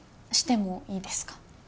してもいいですか？